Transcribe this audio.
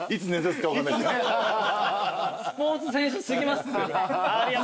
スポーツ選手過ぎますって。